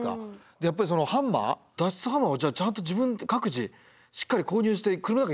でやっぱりそのハンマー脱出ハンマーもちゃんと自分で各自しっかり購入して車の中入れとかなきゃいけないですね。